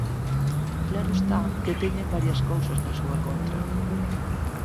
Claro está que teñen varias cousas na súa contra.